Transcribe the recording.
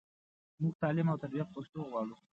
مونږ تعلیم او تربیه په پښتو ژبه غواړو.